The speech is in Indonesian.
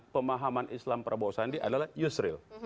pemahaman islam prabowo sandi adalah yusril